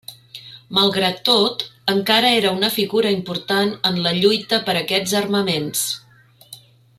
Malgrat tot, encara era una figura important en la lluita per aquests armaments.